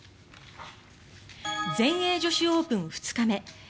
全英女子オープン２日目。